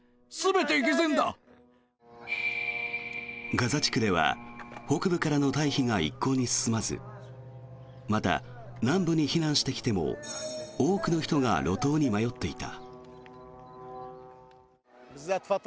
ガザ地区では北部からの退避が一向に進まずまた、南部に避難してきても多くの人が路頭に迷っていた。